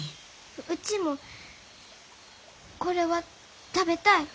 うちもこれは食べたい。